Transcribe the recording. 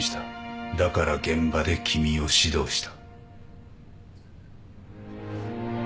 だから現場で君を指導した。